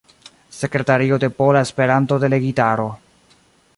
Sekretario de Pola Esperanto-Delegitaro.